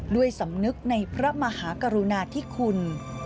ด้วยสำนึกในพระมหากรุณาธิคุณ